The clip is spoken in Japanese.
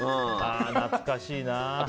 懐かしいな。